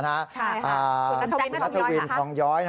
ใช่ค่ะคุณกันเซ็นคุณทองย้อย